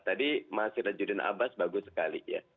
tadi mas sirajudin abbas bagus sekali ya